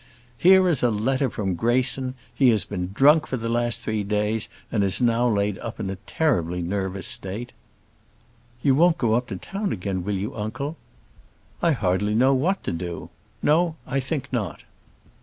"Here is a letter from Greyson; he has been drunk for the last three days, and is now laid up in a terribly nervous state." "You won't go up to town again; will you, uncle?" "I hardly know what to do. No, I think not.